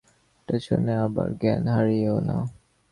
এটা শুনে আবার জ্ঞান হারিয়ো না।